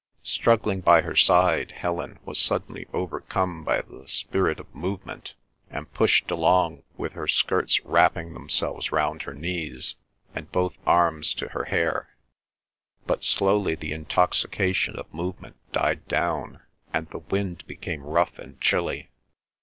Struggling by her side, Helen was suddenly overcome by the spirit of movement, and pushed along with her skirts wrapping themselves round her knees, and both arms to her hair. But slowly the intoxication of movement died down, and the wind became rough and chilly.